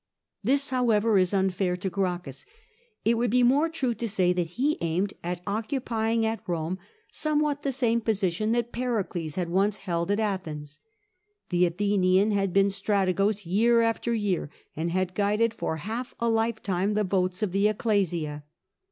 ThiSj however^ is unfair to Gracchus : it would be more true to say than he aimed at occupying at Rome soraewhat the same position that Pericles had once held at Athens. The Athenian had been Strategos year after year, and had guided for half a lifetime the votes of the Bcclesia.